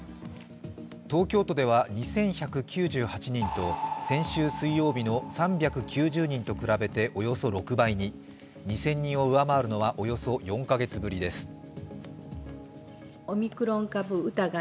東京都では２１９８人と、先週水曜日の３９０人と比べておよそ６倍に２０００人を上回るのはおよそ４カ月ぶりです。